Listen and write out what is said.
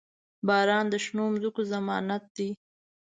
• باران د شنو ځمکو ضمانت دی.